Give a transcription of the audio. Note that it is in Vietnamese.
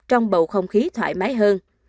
trong bầu không khí thoải mái hơn